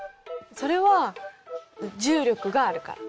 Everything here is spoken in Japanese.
それは重力があるから。